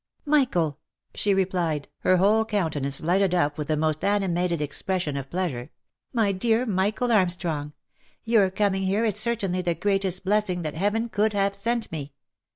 " Michael I" she replied, her "hole countenance lighted up with the most animated expression o/ pleasure, " my dear Michael Arm strong ! your coming here is certainly the greatest blessing that Heaven could have sent me.